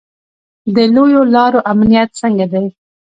د لویو لارو امنیت څنګه دی؟